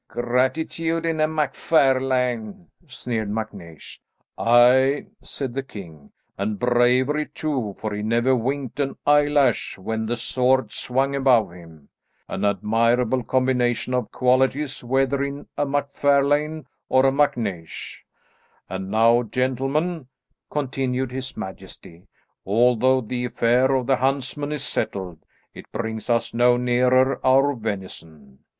"Gratitude in a MacFarlane!" sneered MacNeish. "Aye," said the king, "and bravery too, for he never winked an eyelash when the sword swung above him; an admirable combination of qualities whether in a MacFarlane or a MacNeish. And now, gentlemen," continued his majesty, "although the affair of the huntsman is settled, it brings us no nearer our venison.